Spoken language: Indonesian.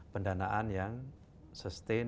pendanaan yang sustain